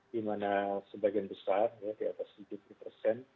dimana sebagian besar ya di atas